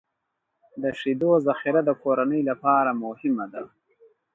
د شیدو ذخیره د کورنۍ لپاره مهمه ده.